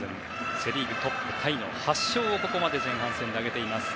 セ・リーグトップタイの８勝をここまで前半戦で挙げています。